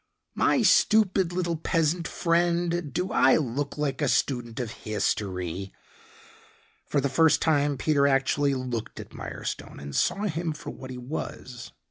"My stupid, little peasant friend, do I look like a student of history?" For the first time Peter actually looked at Mirestone and saw him for what he was.